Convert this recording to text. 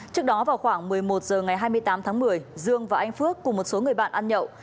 trước đó vào khoảng một mươi một h ngày hai mươi tám tháng một mươi dương và anh phước cùng một số người bạn ăn nhậu